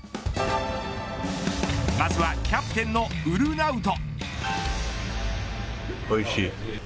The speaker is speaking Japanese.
まずはキャプテンのウルナウト。